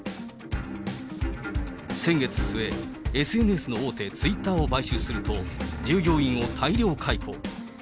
先月末、ＳＮＳの大手、ツイッターを買収すると、従業員を大量解雇。